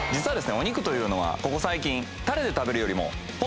お肉というのはここ最近。